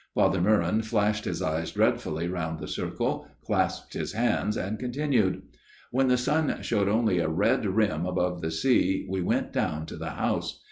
Father Meuron flashed his eyes dreadfully round the circle, clasped his hands and continued :" When the sun showed only a red rim above the sea we went down to the house.